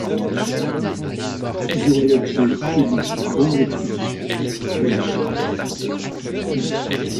Ce sera l’objet de notre grande expédition, en même temps...